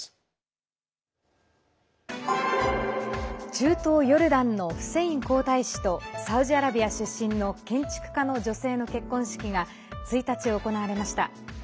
中東ヨルダンのフセイン皇太子とサウジアラビア出身の建築家の女性の結婚式が１日行われました。